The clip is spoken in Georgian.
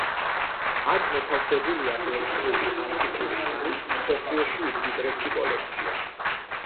აქ მოთავსებულია ბერძნული ანტიკური ხანის მსოფლიოში უმდიდრესი კოლექცია.